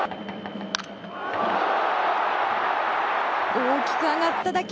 大きく上がった打球。